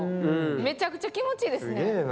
めちゃくちゃ気持ちいいですね